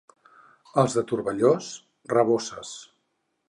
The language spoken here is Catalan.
Els de Turballos, raboses.